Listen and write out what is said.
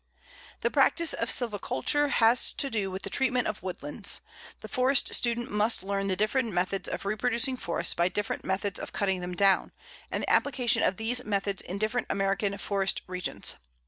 The practice of Silviculture has to do with the treatment of woodlands. The forest student must learn the different methods of reproducing forests by different methods of cutting them down, and the application of these methods in different American forest regions.